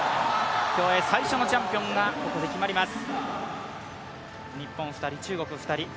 競泳最初のチャンピオンがここで決まります。